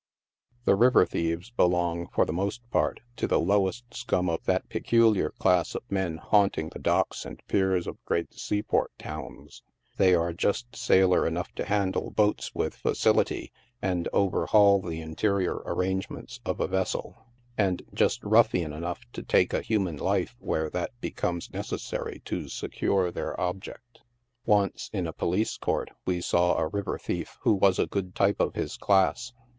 The river thieves belong, for the most part, to the lowest scum of that peculiar class of men haunting the docks and piers of great seaport towns. They are just sailor enough to handle boats with facility, and overhaul the interior arrangements of a vessel, and just ruffian enough to take a human life where that becomes neces sary to secure their object. Once, in a police court, we saw a river thief, who was a good type of his class.